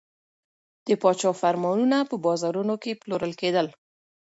د پاچا فرمانونه په بازارونو کې پلورل کېدل.